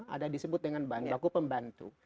ada disebut dengan bahan baku pembantu